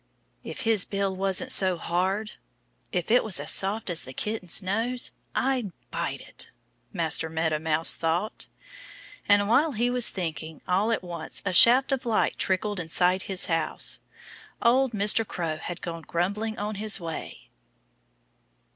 "If his bill wasn't so hard if it was as soft as the Kitten's nose I'd bite it," Master Meadow Mouse thought. And while he was thinking, all at once a shaft of light trickled inside his house. Old Mr. Crow had gone grumbling on his way.